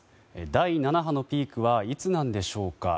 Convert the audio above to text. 第７波のピークはいつなんでしょうか。